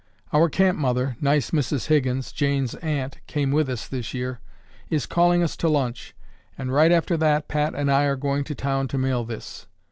"Our camp mother (nice Mrs. Higgins, Jane's aunt, came with us this year) is calling us to lunch, and right after that Pat and I are going to town to mail this.